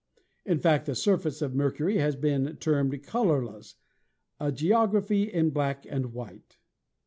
In fact, the surface of Mercury has been termed colorless, "a geography in black and white."